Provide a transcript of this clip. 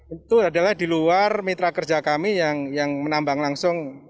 itu adalah di luar mitra kerja kami yang menambang langsung